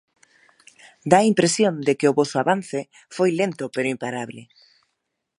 Dá a impresión de que o voso avance foi lento pero imparable.